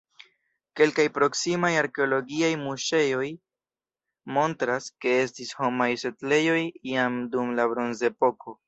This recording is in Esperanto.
Kelkaj proksimaj arkeologiaj kuŝejoj montras, ke estis homaj setlejoj jam dum la Bronzepoko.